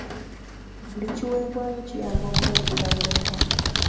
Buli kiweebwayo kiyamba okulabirira mulekwa.